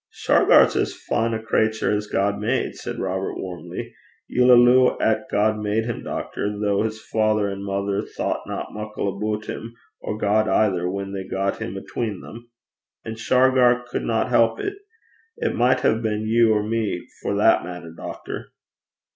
'Shargar's as fine a crater as ever God made,' said Robert warmly. 'Ye'll alloo 'at God made him, doctor; though his father an' mither thochtna muckle aboot him or God either whan they got him atween them? An' Shargar couldna help it. It micht ha' been you or me for that maitter, doctor.'